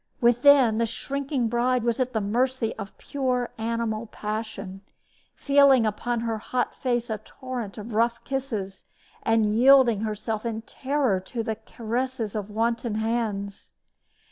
Within, the shrinking bride was at the mercy of pure animal passion, feeling upon her hot face a torrent of rough kisses, and yielding herself in terror to the caresses of wanton hands.